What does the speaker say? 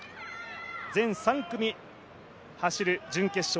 全３組走る準決勝